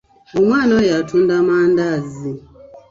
Omwana oyo atunda mandaazi.